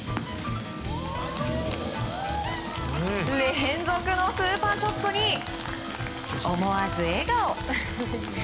連続のスーパーショットに思わず笑顔。